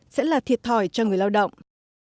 sẽ là thiệt thòi cho người lao động